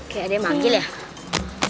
kayak ada yang manggil ya